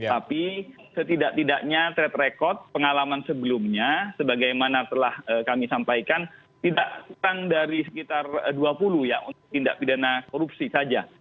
tapi setidak tidaknya track record pengalaman sebelumnya sebagaimana telah kami sampaikan tidak kurang dari sekitar dua puluh ya untuk tindak pidana korupsi saja